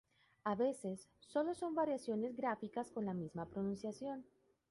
A veces solo son variaciones gráficas con la misma pronunciación.